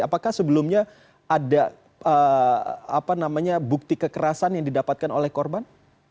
apakah sebelumnya ada bukti kekerasan yang didapatkan oleh korban